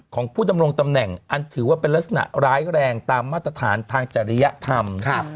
ของผู้ดำรงตำแหน่งอันถือว่าเป็นลักษณะร้ายแรงตามมาตรฐานทางจริยธรรม